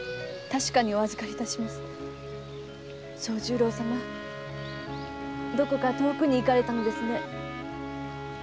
惣十郎様どこか遠くに行かれたのですね。